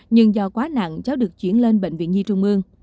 nhưng do quá nặng cháu được chuyển lên bệnh viện nhi trung ương